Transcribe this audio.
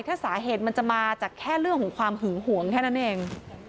ถ้าสาเหตุมันจะมาจากแค่เรื่องของความหึงหวงแค่นั้นเอง